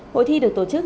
hội thi được tổ chức